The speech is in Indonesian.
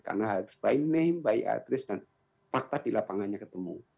karena harus by name by address dan fakta di lapangannya ketemu